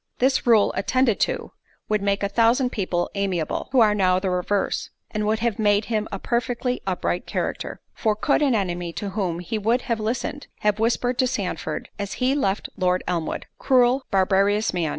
This rule attended to, would make a thousand people amiable, who are now the reverse; and would have made him a perfectly upright character. For could an enemy to whom he would have listened, have whispered to Sandford as he left Lord Elmwood, "Cruel, barbarous man!